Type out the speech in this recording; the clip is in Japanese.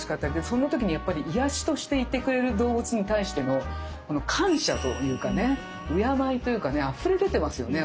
そんな時にやっぱり癒やしとしていてくれる動物に対しての感謝というかね敬いというかねあふれ出てますよね